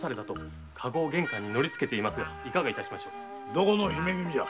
どこの姫君じゃ。